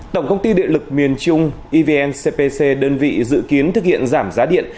tổng công ty điện lực miền trung evn cpc đơn vị dự kiến thực hiện giảm giá điện